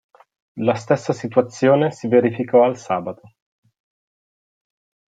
La stessa situazione si verificò al sabato.